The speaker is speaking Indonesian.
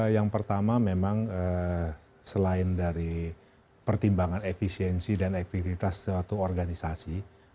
yang pertama memang selain dari pertimbangan efisiensi dan efektivitas suatu organisasi